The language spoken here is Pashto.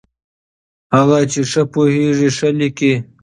هغه چې ښه پوهېږي، ښه لیکي.